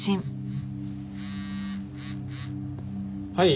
はい。